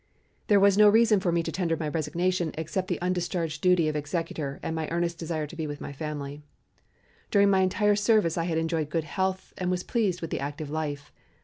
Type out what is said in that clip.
There was no reason for me to tender my resignation except the undischarged duty of executor and my earnest desire to be with my family. During my entire army service I had enjoyed good health and was pleased with the active life.